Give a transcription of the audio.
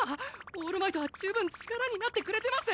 オールマイトは十分力になってくれてます！